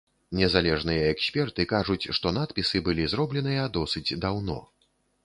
Незалежныя эксперты кажуць, што надпісы былі зробленыя досыць даўно.